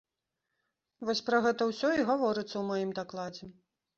Вось пра гэта ўсё і гаворыцца ў маім дакладзе.